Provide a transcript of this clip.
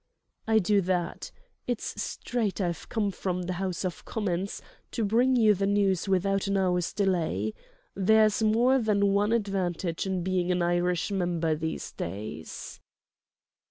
"I do that. It's straight I've come from the House of Commons to bring you the news without an hour's delay. There's more than one advantage in being an Irish Member these days."